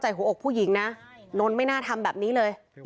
หัวอกผู้หญิงนะนนท์ไม่น่าทำแบบนี้เลย